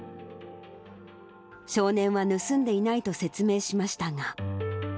少年は盗んでいないと説明しましたが。